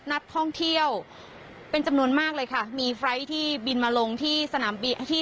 นักท่องเที่ยวเป็นจำนวนมากเลยค่ะมีไฟล์ทที่บินมาลงที่สนามบินที่